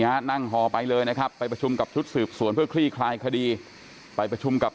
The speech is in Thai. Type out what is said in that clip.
อย่างภาพประหลักษณ์ที่หนูให้ดูเมื่อกี้ส่วนใหญ่โมงเขาจะไม่ใช้กัน